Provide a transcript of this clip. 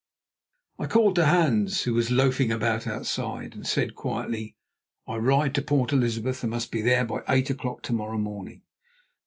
I called to Hans, who was loafing about outside, and said quietly: "I ride to Port Elizabeth, and must be there by eight o'clock to morrow morning."